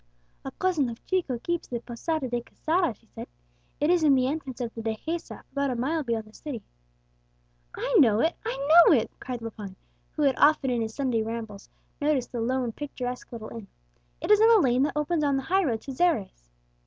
"A cousin of Chico keeps the Posada de Quesada," she said; "it is in the entrance of the Dehesa, about a mile beyond the city." "I know it I know it!" cried Lepine, who had often in his Sunday rambles noticed the lone picturesque little inn; "it is in a lane that opens on the highroad to Xeres."